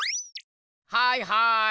はいはい！